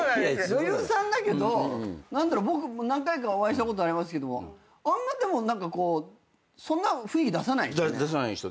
女優さんだけど僕何回かお会いしたことありますけどもあんまでも何かこうそんな雰囲気出さないですね。